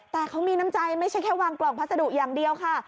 แต่เขามีน้ำใจไม่ใช่แค่วางกล่องพัสดุอย่างเดียวค่ะ